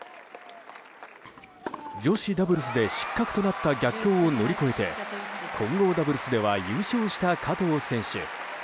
女子ダブルスで失格となった逆境を乗り越えて混合ダブルスでは優勝した加藤選手。